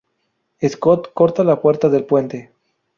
Scott corta la puerta del puente.